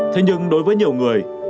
thế nhưng đối với nhiều người